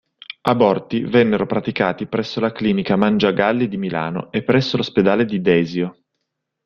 Aborti vennero praticati presso la clinica Mangiagalli di Milano e presso l'ospedale di Desio.